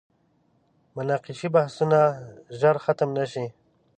مناقشې بحثونه ژر ختم نه شي.